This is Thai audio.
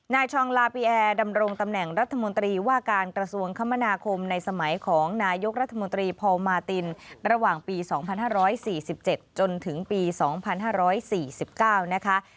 ชองลาปีแอร์ดำรงตำแหน่งรัฐมนตรีว่าการกระทรวงคมนาคมในสมัยของนายกรัฐมนตรีพอลมาตินระหว่างปี๒๕๔๗จนถึงปี๒๕๔๙นะคะ